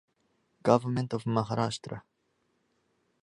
Government of Maharashtra.